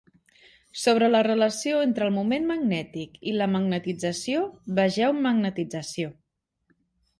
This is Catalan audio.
Sobre la relació entre el moment magnètic i la magnetització vegeu magnetització.